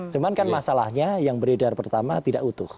cuman kan masalahnya yang beredar pertama tidak utuh